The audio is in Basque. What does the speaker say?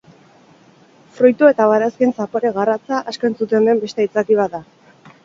Fruitu eta barazkien zapore garratza, asko entzuten den beste aitzaki bat da.